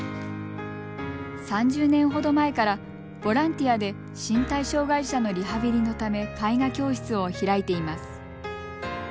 ３０年ほど前からボランティアで身体障害者のリハビリのため絵画教室を開いています。